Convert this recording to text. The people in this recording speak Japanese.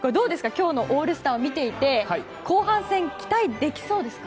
今日のオールスターを見ていて後半戦、期待できそうですか？